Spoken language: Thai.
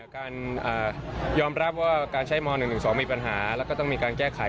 การยอมรับว่าการใช้ม๑๑๒มีปัญหาแล้วก็ต้องมีการแก้ไข